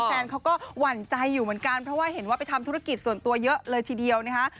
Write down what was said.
แฟนเขาก็หวั่นใจอยู่เหมือนกันเพราะว่าเห็นว่าไปทำธุรกิจส่วนตัวเยอะเลยทีเดียวนะคะ